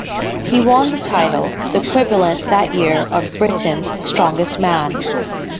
He won the title, the equivalent that year of Britain's Strongest Man.